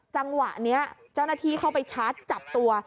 จังหวะนี้เจ้าหน้าที่เข้าไปชาร์จจับตัว